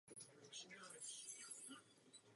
Annette za ním jde.